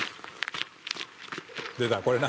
「出たこれな」